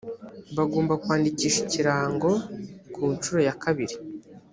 bagomba kwandikisha ikirango ku nshuro ya kabiri